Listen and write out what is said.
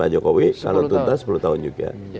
pak jokowi kalau tuntas sepuluh tahun juga